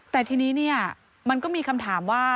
แต่ทีนี้มันก็มีคำถามว่า